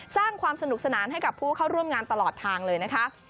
สร้างความสนุกสนานให้กับผู้เข้าร่วมงานตลอดทางเลยนะคะ